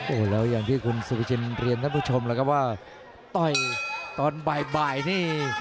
โอ้แล้วอย่างที่คุณสุภิเชียร์เรียนท่านผู้ชมแหละครับว่าต่อยตอนบ่ายบ่ายนี่